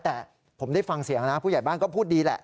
แต่ผมได้ฟังเสียงนะผู้ใหญ่บ้านก็พูดดีแหละ